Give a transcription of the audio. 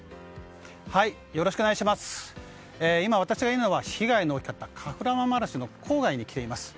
今、私がいるのは被害の大きかったカフラマンマラシュの郊外に来ています。